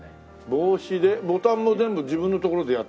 帽子でボタンも全部自分のところでやってんの？